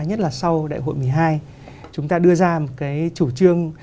nhất là sau đại hội một mươi hai chúng ta đưa ra một cái chủ trương